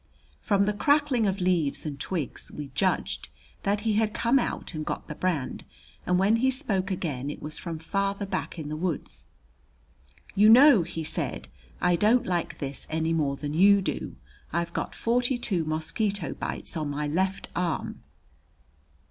From the crackling of leaves and twigs we judged that he had come out and got the brand, and when he spoke again it was from farther back in the woods. "You know," he said, "I don't like this any more than you do. I've got forty two mosquito bites on my left arm."